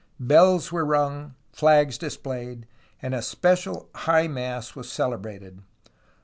Bells were rung, flags displayed, and a special high mass was celebrated.